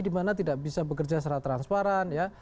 di mana tidak bisa bekerja secara transparan